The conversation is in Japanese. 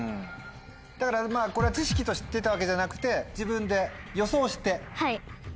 だからこれは知識として知ってたわけじゃなくて自分で。